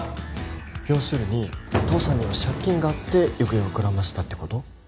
要するに父さんには借金があって行方をくらましたってこと？